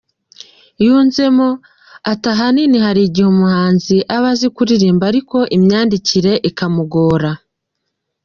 Yunzemo ati” Ahanini hari igihe umuhanzi aba azi kuririmba ariko imyandikire ikamugora.